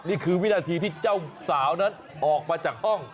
วินาทีที่เจ้าสาวนั้นออกมาจากห้อง